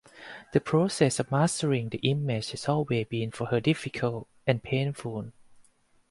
The process of mastering the image has always been for her difficult and painful.